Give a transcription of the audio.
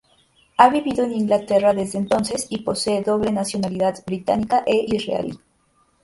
Ha vivido en Inglaterra desde entonces y posee doble nacionalidad británica e israelí.